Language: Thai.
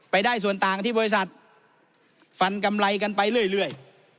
ได้ส่วนต่างที่บริษัทฟันกำไรกันไปเรื่อย